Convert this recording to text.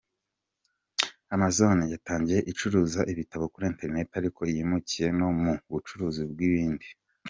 Amazon yatangiye icuruza ibitabo kuri internet ariko yimukiye no mu bucuruzi bw’ibindi.